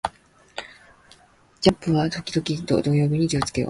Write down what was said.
ジャンプは時々土曜に出るから気を付けろ